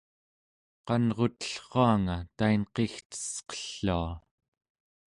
qanrutellruanga tainqigtesqellua